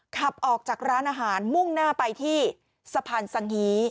ขับออกจากร้านอาหารมุ่งหน้าไปที่สะพานสังฮี